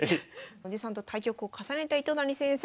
おじさんと対局を重ねた糸谷先生